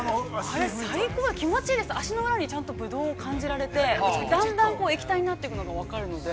◆あれ、最高です、気持ちいいです、足の裏にぶどうを感じられてだんだん液体になっていくのが分かるので。